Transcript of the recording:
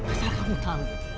asal kamu tau